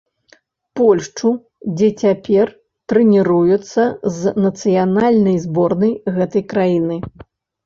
Польшчу, дзе цяпер трэніруецца з нацыянальнай зборнай гэтай краіны.